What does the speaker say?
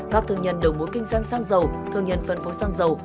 các thương nhân đầu mối kinh doanh xăng dầu thương nhân phân phối xăng dầu